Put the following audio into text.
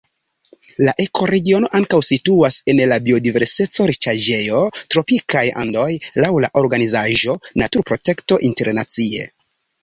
La ekoregiono ankaŭ situas en la biodiverseco-riĉaĵejo Tropikaj Andoj laŭ la organizaĵo Naturprotekto Internacie.